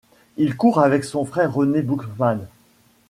Il court avec son frère René Boogmans.